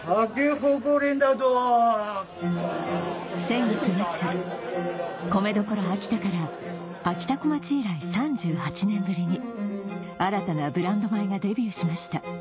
先月末米どころ秋田からあきたこまち以来３８年ぶりに新たなブランド米がデビューしました